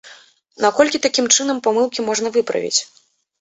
Наколькі такім чынам памылкі можна выправіць?